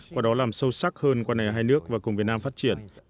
qua đó làm sâu sắc hơn quan hệ hai nước và cùng việt nam phát triển